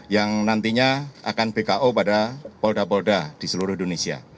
yang nantinya akan bko pada polda polda di seluruh indonesia